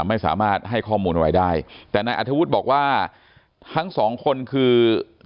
ไม่สามารถให้ข้อมูลไว้ได้แต่นายอัฐวุธบอกว่าทั้งสองคนคือเจกับตาย